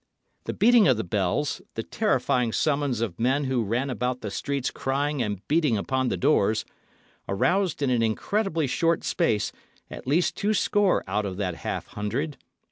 The beating of the bells, the terrifying summons of men who ran about the streets crying and beating upon the doors, aroused in an incredibly short space at least two score out of that half hundred.